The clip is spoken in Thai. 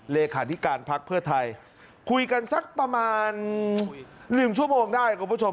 เลขาธิการพักเพื่อไทยคุยกันสักประมาณ๑ชั่วโมงได้คุณผู้ชม